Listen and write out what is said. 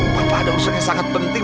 papa ada usul yang sangat penting